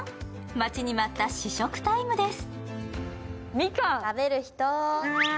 待ちに待った試食タイムです。